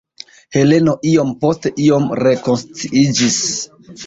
Heleno iom post iom rekonsciiĝis.